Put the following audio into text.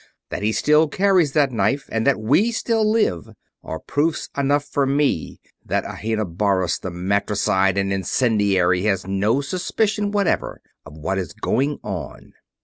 That he still carries that knife and that we still live are proofs enough for me that Ahenobarbus, the matricide and incendiary, has no suspicion whatever of what is going on."